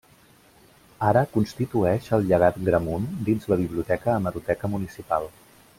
Ara constitueix el Llegat Gramunt dins la Biblioteca Hemeroteca Municipal.